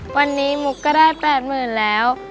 วันนี้มุกก็ได้๘หมื่นแล้ว